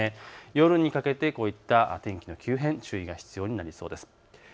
夜にかけてこういった天気の急変、注意が必要になりそうです。